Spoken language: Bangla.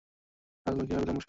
রাজলক্ষ্মীর আর বিলম্ব সহিল না।